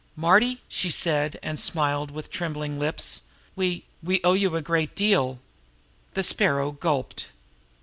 "Marty," she said, and smiled with trembling lips, "we we owe you a great deal." The Sparrow gulped.